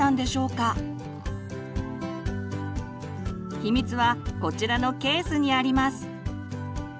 秘密はこちらのケースにあります。